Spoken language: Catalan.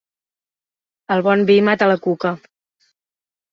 El bon vi mata la cuca.